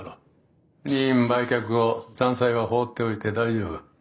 「任意売却後残債は放っておいて大丈夫。